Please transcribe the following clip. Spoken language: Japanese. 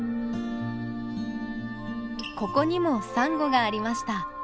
ここにもサンゴがありました。